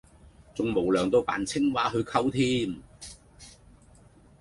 仲無良到扮青蛙去溝添!